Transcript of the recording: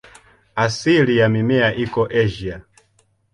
Asili ya mimea iko Asia.